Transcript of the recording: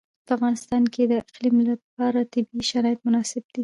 په افغانستان کې د اقلیم لپاره طبیعي شرایط مناسب دي.